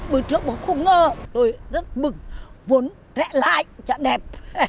bữa trước bố không ngờ tôi rất bực muốn rẽ lại cho đẹp